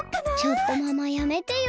ちょっとママやめてよ